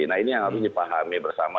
nah ini yang harus dipahami bersama